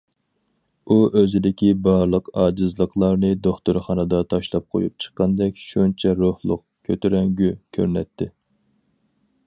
ئۇ ئۆزىدىكى بارلىق ئاجىزلىقلارنى دوختۇرخانىدا تاشلاپ قويۇپ چىققاندەك شۇنچە روھلۇق، كۆتۈرەڭگۈ كۆرۈنەتتى.